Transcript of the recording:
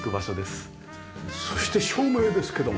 そして照明ですけども。